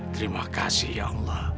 terima kasih ya allah